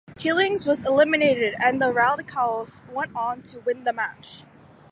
Killings was eliminated and the Radicalz went on to win the match.